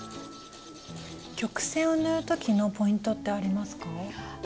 曲線を縫う時のポイントってありますか？